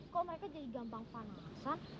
kok mereka jadi gampang panasan